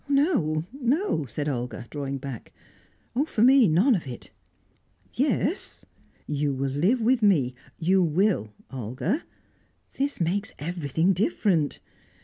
"No, no!" said Olga drawing back. "For me, none of it!" "Yes, you will live with me you will, Olga! This makes everything different.